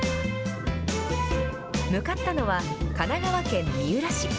向かったのは神奈川県三浦市。